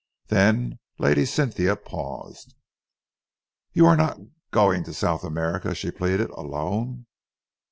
Then Lady Cynthia paused. "You are not going to South America," she pleaded, "alone?"